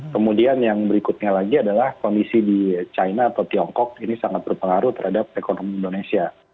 kemudian yang berikutnya lagi adalah kondisi di china atau tiongkok ini sangat berpengaruh terhadap ekonomi indonesia